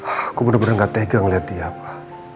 aku bener bener gak tegang liat dia apa